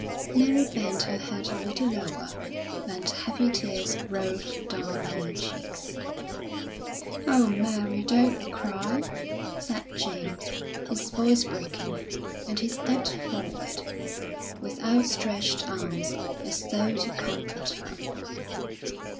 Mary bent her head a little lower, and heavy tears rolled down her cheeks. "Oh, Mary, don't cry!" said James, his voice breaking; and he stepped forward, with outstretched arms, as though to comfort her.